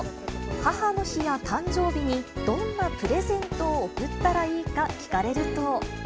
母の日や誕生日にどんなプレゼントを贈ったらいいか聞かれると。